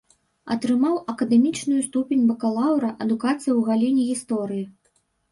Атрымаў акадэмічную ступень бакалаўра адукацыі ў галіне гісторыі.